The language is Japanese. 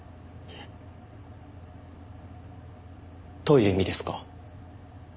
どういう意味ですか？